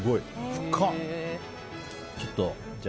深っ！